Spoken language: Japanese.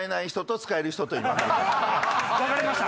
分かれました？